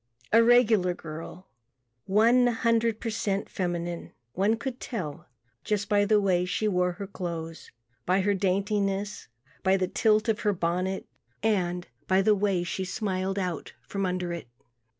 A regular girl, one hundred per cent feminine. One could tell just by the way she wore her clothes, by her daintiness, by the tilt of her bonnet and by the way smiled out from under it.